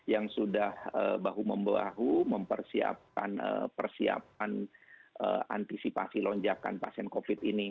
yang sudah bahu membahu mempersiapkan antisipasi lonjakan pasien covid sembilan belas ini